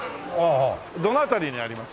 ああどの辺りにあります？